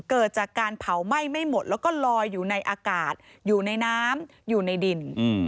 เกิดจากการเผาไหม้ไม่หมดแล้วก็ลอยอยู่ในอากาศอยู่ในน้ำอยู่ในดิน